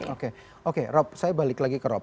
oke oke rob saya balik lagi ke rob